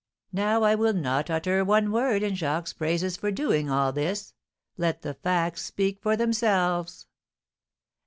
Now I will not utter one word in Jacques's praise for doing all this, let the facts speak for themselves."